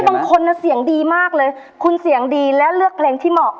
บางคนเสียงดีมากเลยคุณเสียงดีและเลือกเพลงที่เหมาะ